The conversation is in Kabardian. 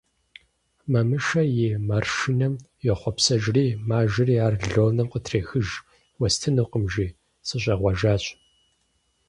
Мамышэ а маршынэм йохъуэпсэжри мажэри ар Лонэм къытрехыж: «Уэстынукъым, – жи, – сыщӀегъуэжащ».